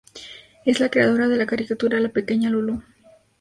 Es la creadora de la caricatura "La pequeña Lulú".